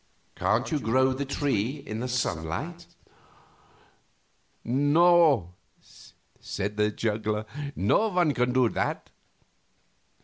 Can't you grow the tree in the sunlight?" "No," said the juggler; "no one can do that."